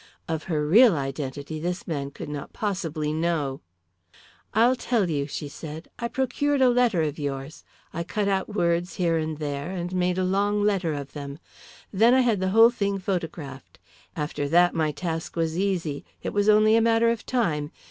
Of her real identity this man could not possibly know. "I'll tell you," she said. "I procured a letter of yours. I cut out words here and there, and made a long letter of them. Then I had the whole thing photographed. After that my task was easy, it was only a matter of time.